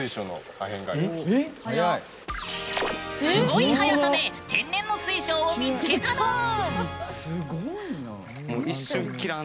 すごい早さで天然の水晶を見つけたぬーん！